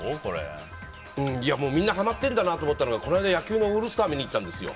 みんな、はまってるんだなって思ったのがこの間、野球のオールスター見に行ったんですよ。